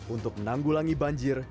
untuk menanggulangi banjir